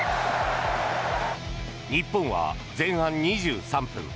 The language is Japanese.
日本は前半２３分